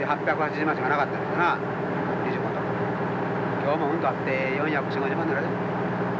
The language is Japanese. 今日もうんとあって４４０４５０万ぐらい。